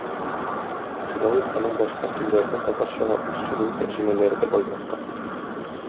Шулай ук аның башка телләрдән татарчага үз шигъри тәрҗемәләре дә байтак кына.